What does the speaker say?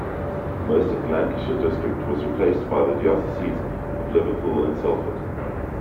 Most of the Lancashire District was replaced by the dioceses of Liverpool and Salford.